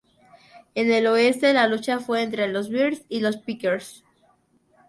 En el Oeste la lucha fue entre los Bears y los Packers.